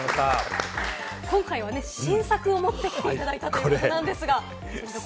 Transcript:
今回は新作を持ってきていただいたということなんですが。